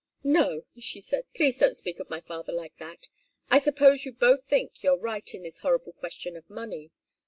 "No," she said. "Please don't speak of my father like that. I suppose you both think you're right in this horrible question of money.